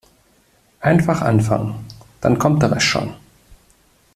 Einfach anfangen, dann kommt der Rest schon.